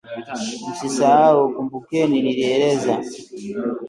Msisahau, kumbukeni nilieleza